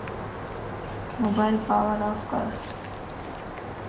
موبائل پاور اوف ڪر